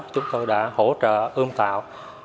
chúng tôi đã hỗ trợ ươm tạo